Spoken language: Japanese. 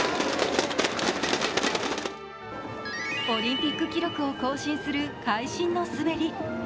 オリンピック記録を更新する会心の滑り。